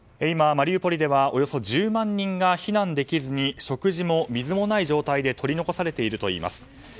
今、マリウポリではおよそ１０万人が避難できずに食事も水もない状態で取り残されているといいます。